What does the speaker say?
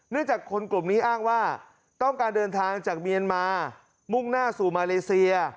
จากคนกลุ่มนี้อ้างว่าต้องการเดินทางจากเมียนมามุ่งหน้าสู่มาเลเซีย